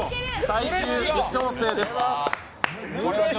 最終微調整です。